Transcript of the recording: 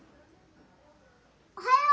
おはよう！